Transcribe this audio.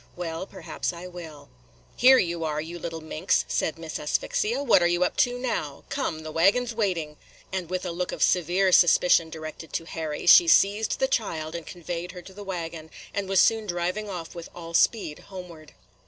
"Well, perhaps I will." "Here you are, you little minx," said Miss Asphyxia. "What you up to now? Come, the waggin 's waiting," – and, with a look of severe suspicion directed to Harry, she seized the child and conveyed her to the wagon, and was soon driving off with all speed homeward.